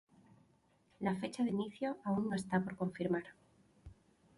La fecha de inicio aún está por confirmar.